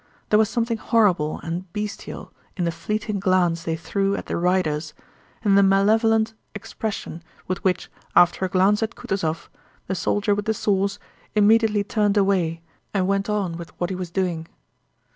There was something horrible and bestial in the fleeting glance they threw at the riders and in the malevolent expression with which, after a glance at Kutúzov, the soldier with the sores immediately turned away and went on with what he was doing.